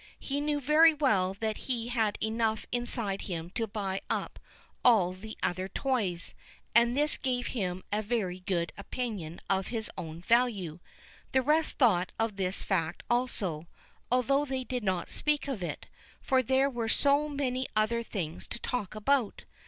He knew very well that he had enough inside him to buy up all the other toys, and this gave him a very good opinion of his own value. The rest thought of this fact also, although they did not speak of it, for there were so many other things to talk about.